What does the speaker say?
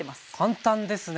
簡単ですね。